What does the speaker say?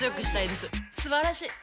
すばらしい！